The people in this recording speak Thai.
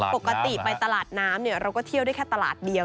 ปกติไปตลาดน้ำเราก็เที่ยวได้แค่ตลาดเดียว